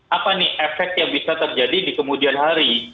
apa nih efek yang bisa terjadi di kemudian hari